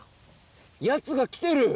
やつが来てる。